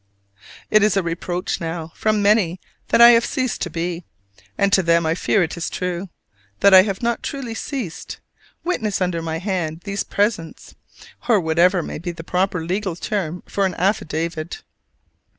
It is a reproach now from many that I have ceased to be: and to them I fear it is true. That I have not truly ceased, "witness under my hand these presents," or whatever may be the proper legal terms for an affidavit.